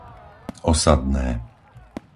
Osadné